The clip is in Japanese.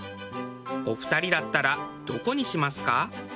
お二人だったらどこにしますか？